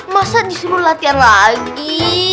masa disuruh latihan lagi